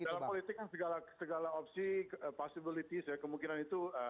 dalam politik kan segala opsi possibilities ya kemungkinan itu